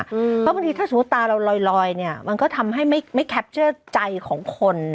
เพราะบางทีถ้าสมมุติตาเราลอยลอยเนี้ยมันก็ทำให้ไม่ไม่แคปเจอร์ใจของคนอยู่เนอะ